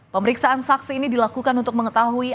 pemeriksaan saksi ini dilakukan untuk mengetahui